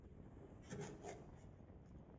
او خوشاله وم چې د پښې درد مې ورو ورو کمیږي.